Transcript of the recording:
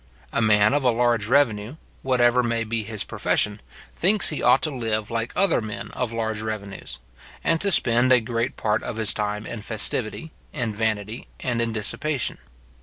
A man of a large revenue, whatever may be his profession, thinks he ought to live like other men of large revenues; and to spend a great part of his time in festivity, in vanity, and in dissipation.